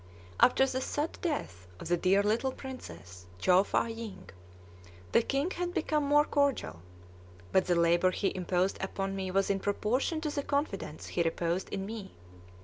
After the sad death of the dear little princess, Chow Fâ ying, the king had become more cordial; but the labor he imposed upon me was in proportion to the confidence he reposed in me.